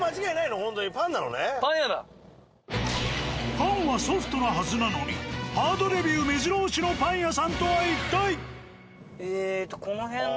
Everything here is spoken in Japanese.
パンはソフトなはずなのにハードレビューめじろ押しのパン屋さんとは一体？